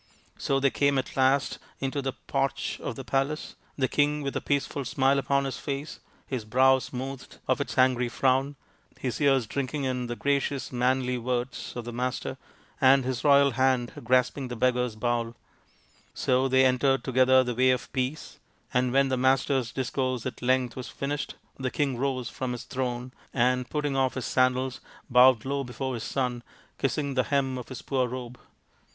So they came at last into the porch of the palace, the king with a peaceful smile upon his face, his brow smoothed of its angry frown, his ears drinking in the gracious manly words of the Master, and his royal hand grasping the beggar's bowl. So they entered together the Way of Peace ; and when the Master's discourse at length was finished the king rose from his throne and, putting off his 198 THE INDIAN STORY BOOK sandals, bowed low before his son, kissing the hem of his poor robe.